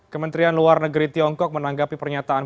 kementerian luar negeri tiongkok menanggapi pernyataan